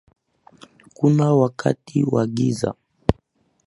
Kuna wakati wa giza